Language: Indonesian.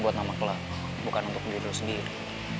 buat nama lo bukan untuk diri lo sendiri